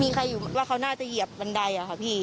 มีใครอยู่ว่าเขาน่าจะเหยียบบันไดอะค่ะพี่